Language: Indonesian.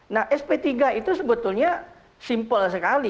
nah sp tiga itu sebetulnya simpel sekali